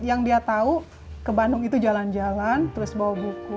yang dia tahu ke bandung itu jalan jalan terus bawa buku